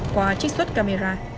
qua trích xuất camera